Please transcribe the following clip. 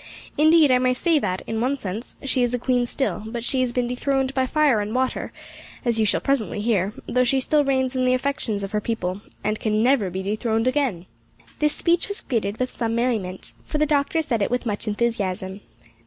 Indeed, I may say that, in one sense, she is a queen still, but she has been dethroned by fire and water, as you shall presently hear, though she still reigns in the affections of her people, and can never be dethroned again!" This speech was greeted with some merriment, for the doctor said it with much enthusiasm.